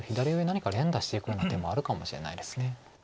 何か連打していくような手もあるかもしれないです。